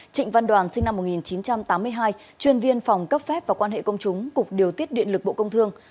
hai trịnh văn đoàn sinh năm một nghìn chín trăm tám mươi hai chuyên viên phòng cấp phép và quan hệ công chúng cục điều tiết điện lực bộ công thương